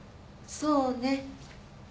そうね。